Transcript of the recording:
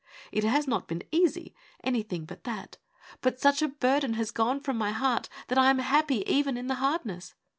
It has not been easy — anything but that ; but such a burden has gone from my heart, that I am happy even in the hardness.